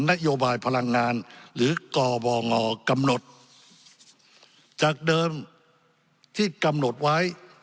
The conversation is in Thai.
นโยบายพลังงานหรือกบงกำหนดจากเดิมที่กำหนดไว้